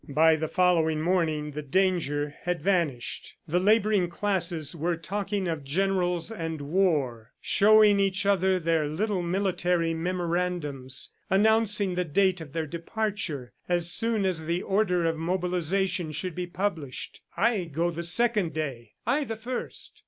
By the following morning, the danger had vanished. The laboring classes were talking of generals and war, showing each other their little military memorandums, announcing the date of their departure as soon as the order of mobilization should be published. "I go the second day." "I the first."